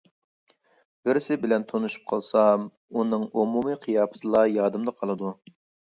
بىرسى بىلەن تونۇشۇپ قالسام ئۇنىڭ ئومۇمى قىياپىتىلا يادىمدا قالىدۇ.